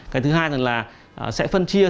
cái thứ hai là sẽ phân chia